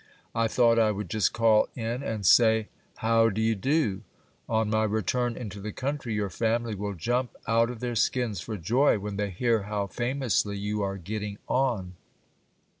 I thought I would just call in 3oS GIL BLAS. and say, how d'ye do ? On my return into the country, your family will jump out of their skins for joy, when they hear how famously you are getting on.